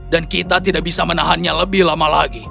dan kita tidak bisa menahannya lebih lama lagi